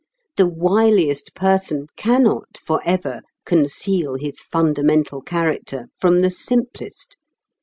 The wiliest person cannot for ever conceal his fundamental character from the simplest.